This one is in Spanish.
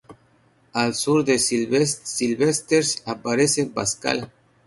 Al sur de Sylvester aparece Pascal.